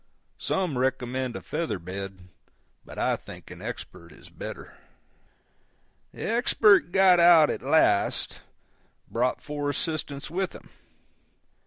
Some recommend a feather bed, but I think an Expert is better. The Expert got out at last, brought four assistants with him.